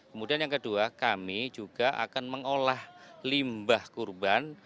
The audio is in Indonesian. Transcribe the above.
kemudian yang kedua kami juga akan mengolah limbah kurban